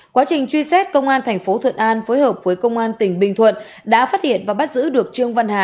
quá trình truy xét công an thành phố thuận an phối hợp với công an tỉnh bình thuận đã phát hiện và bắt giữ được trương văn hà